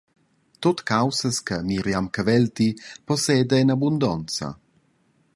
Tut caussas che Myriam Cavelti posseda en abundonza.